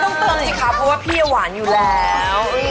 ต้องเติมสิคะเพราะว่าพี่หวานอยู่แล้ว